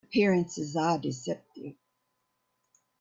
Appearances are deceptive.